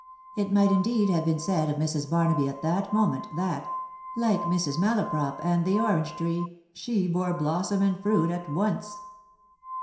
It might indeed have been said of Mrs. Barnaby at that moment, that, (< like Mrs. Malaprop and the orange tree, she bore blossom and fruit at once."